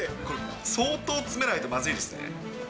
これ相当詰めないとまずいですね。